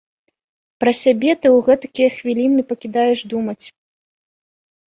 Пра сябе ты ў гэтакія хвіліны пакідаеш думаць!